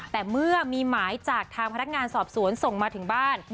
แต่เมื่อมีหมายจากทางพนักงานสอบสวนส่งมาถึงบ้าน